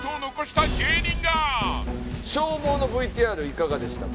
消防のＶＴＲいかがでしたか？